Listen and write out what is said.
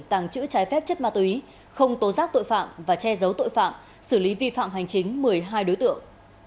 tàng trữ trái phép chất ma túy không tố giác tội phạm và che giấu tội phạm xử lý vi phạm hành chính một mươi hai đối tượng